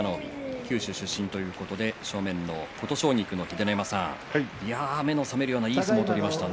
九州出身ということで正面の琴奨菊の秀ノ山さん目の覚めるようないい相撲を取りましたね。